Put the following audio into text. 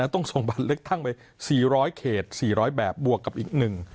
ต้องส่งบัตรเลือกตั้งไป๔๐๐เขต๔๐๐แบบบวกกับอีกหนึ่ง